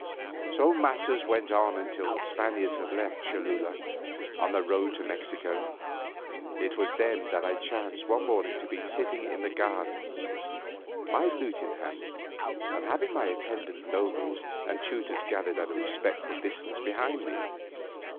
So matters went on until the Spaniards had left Cholula on their road to Mexico. It was then that I chanced one morning to be sitting in the gardens, my lute in hand, and having my attendant nobles and tutors gathered at a respectful distance behind me.